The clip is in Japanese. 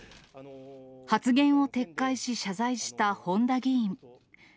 発言を撤回し、謝罪した本多議員。